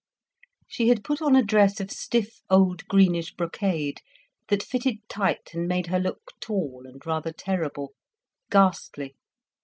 She had put on a dress of stiff old greenish brocade, that fitted tight and made her look tall and rather terrible, ghastly.